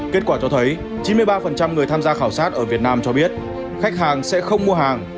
kết quả cho thấy chín mươi ba người tham gia khảo sát ở việt nam cho biết khách hàng sẽ không mua hàng